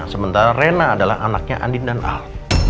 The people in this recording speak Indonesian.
sementara rena adalah anaknya andin dan al